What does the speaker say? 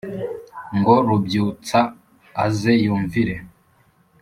ngo rubyutsa aze yumvire